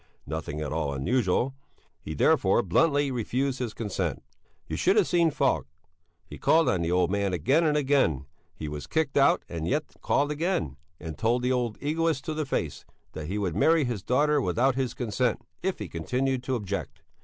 (Nothing at all unusual!) He therefore bluntly refused his consent. You should have seen Falk! He called on the old man again and again; he was kicked out, and yet he called again and told the old egoist to the face that he would marry his daughter without his consent, if he continued to object.